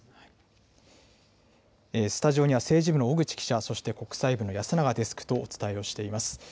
スタジオには政治部の小口記者、そして国際部の安永デスクとお伝えをしています。